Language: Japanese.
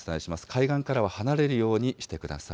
海岸からは離れるようにしてください。